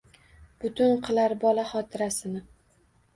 Butun qilar bola xotirasini.